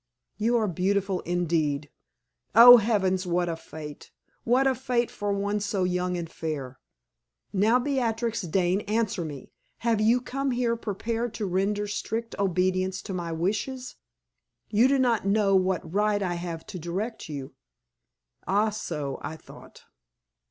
You are beautiful, indeed. Oh, heavens! what a fate what a fate for one so young and fair! Now, Beatrix Dane, answer me: have you come here prepared to render strict obedience to my wishes? You do not know what right I have to direct you? Ah! so I thought.